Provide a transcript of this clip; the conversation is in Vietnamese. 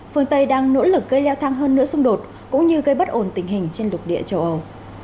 phương tây đang nỗ lực gây leo thang hơn nữa xung đột cũng như gây bất ổn tình hình trên lục địa châu âu